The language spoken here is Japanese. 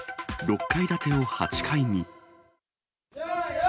６階建てを８階に。